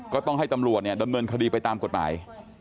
ก็ต้องให้ตำรวจเนี่ยดำเนินคดีไปตามกฎหมาย